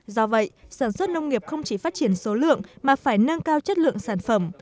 do vậy sản xuất nông nghiệp không chỉ phát triển số lượng mà phải nâng cao chất lượng sản phẩm